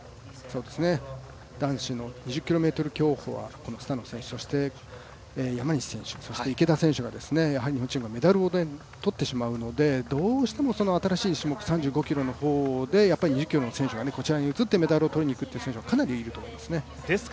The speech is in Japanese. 男子の２０ｋｍ競歩はこのスタノ選手、そして山西選手、そして池田選手がメダルを取ってしまうのでどうしても新しい種目３５ｋｍの方で２０ｋｍの選手がこちらに移ってメダルを取りにくる選手がかなりいますね。